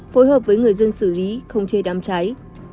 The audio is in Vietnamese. phối hợp với người dân xử lý không chế đám cháy